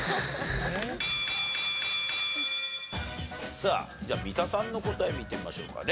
さあじゃあ三田さんの答え見てみましょうかね。